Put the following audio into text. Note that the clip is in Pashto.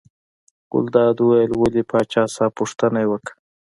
ګلداد وویل ولې پاچا صاحب پوښتنه یې وکړه.